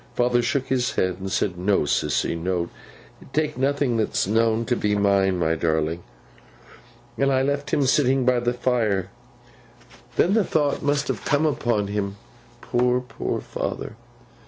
Father shook his head and said, "No, Sissy, no; take nothing that's known to be mine, my darling;" and I left him sitting by the fire. Then the thought must have come upon him, poor, poor father!